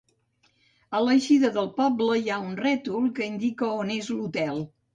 A l'eixida del poble hi ha un rètol que indica on és l'hotel.